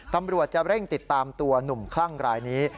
ตำรวจจะเร่งติดตามตัวหนุ่มคลั่งรายนี้